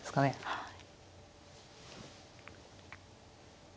はい。